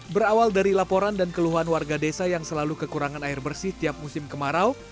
berawal dari laporan dan keluhan warga desa yang selalu kekurangan air bersih tiap musim kemarau